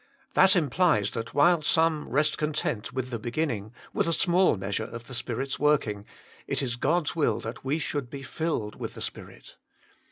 That implies that while some rest content with the beginning, with a small measure of the Spirit s working, it is God s will that we should be filled with the Spirit.